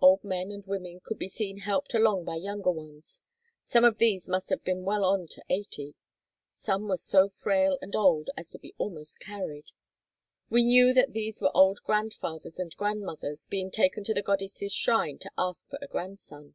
Old men and women could be seen helped along by younger ones. Some of these must have been well on to eighty; some were so frail and old as to be almost carried. We knew that these were old grandfathers or grandmothers being taken to the goddess' shrine to ask for a grandson.